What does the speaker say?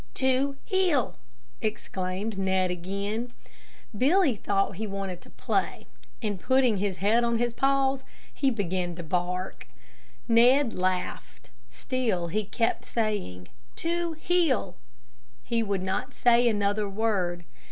"To heel!" exclaimed Ned again. Billy thought he wanted to play, and putting his head on his paws, he began to bark. Ned laughed; still he kept saying "To heel!" He would not say another word.